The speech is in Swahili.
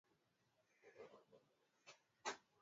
Jeraha linaloruhusu vijidudu kupenya kwenye ngozi